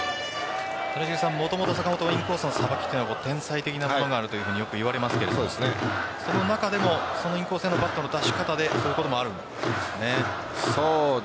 もともと坂本はインコースのさばきというのに天才的なものがあるとよく言われますがその中でもそのインコースへのバットの出し方でそういうこともあるんですね。